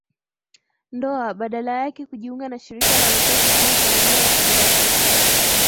ndoa badala yake kujiunga na shirika la wenzake kama familia ya kiroho